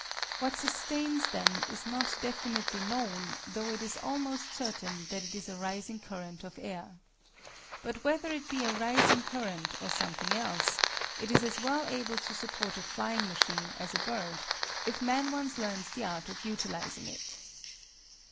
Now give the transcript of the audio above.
What sustains them is not definitely known, though it is almost certain that it is a rising current of air. But whether it be a rising current or something else, it is as well able to support a flying machine as a bird, if man once learns the art of utilizing it.